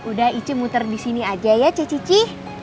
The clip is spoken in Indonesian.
udah ice muter disini aja ya ce cici